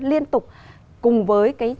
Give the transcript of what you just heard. liên tục cùng với cái